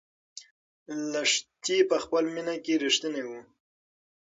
لښتې په خپله مینه کې رښتینې وه.